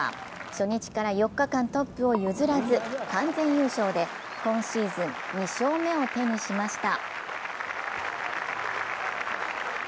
初日から４日間トップを譲らず完全優勝で今シーズン２勝目を手にしました。